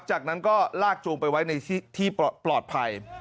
จากนั้นก็ลากจูงไปไว้ในที่ปลอดภัย